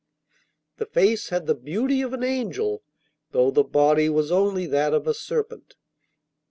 The face had the beauty of an angel, though the body was only that of a serpent.